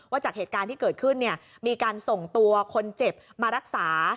จากเหตุการณ์ที่เกิดขึ้นมีการส่งตัวคนเจ็บมารักษา